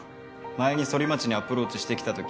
前にソリマチにアプローチしてきたとき